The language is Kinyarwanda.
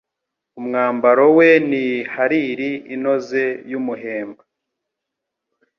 umwambaro we ni hariri inoze y’umuhemba